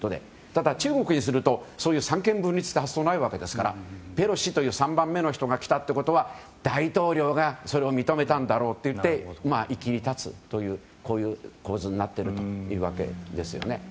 ただ、中国にするとそういう三権分立という発想がないわけですからペロシという３番目の人が来たということは大統領がそれを認めたんだろうと言って、いきり立つというこういう構図になっているというわけですよね。